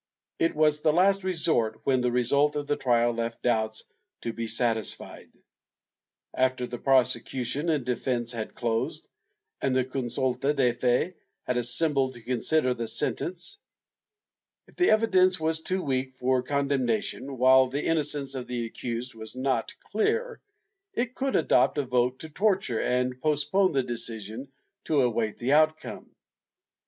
It was the last resort when the result of a trial left doubts to be satisfied. After the prosecution and defence had closed, and the consulta de fe had assembled to consider the sentence, if the evidence was too weak for condemnation while the innocence of the accused was not clear, it could adopt a vote to torture and postpone the decision to await the outcome.